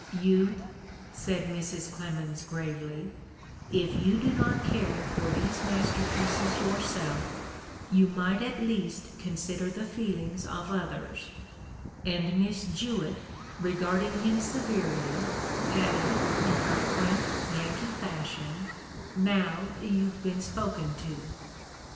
'Youth,' said Mrs. Clemens, gravely, 'if you do not care for these master pieces yourself, you might at least consider the feel ings of others'; and Miss Jewett, regarding him se verely, added, in her quaint Yankee fashion: 'Now you've been spoke to!'